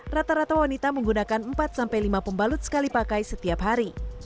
rata rata wanita menggunakan empat sampai lima pembalut sekali pakai setiap hari